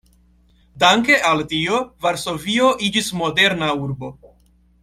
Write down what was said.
Danke al tio Varsovio iĝis moderna urbo.